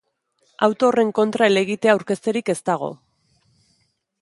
Auto horren kontra helegitea aurkezterik ez dago.